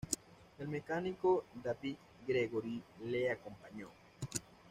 El mecánico, David Gregory, le acompañó.